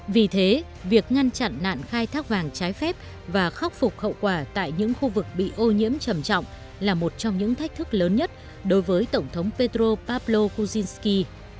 vì thế việc ngăn chặn nạn khai thác vàng trái phép và khắc phục hậu quả tại những khu vực bị ô nhiễm trầm trọng là một trong những thách thức lớn nhất đối với tổng thống petro pavlo fujinsky